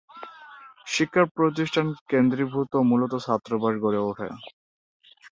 শিক্ষা প্রতিষ্ঠান কেন্দ্রীকই মূলত ছাত্রাবাস গড়ে উঠে।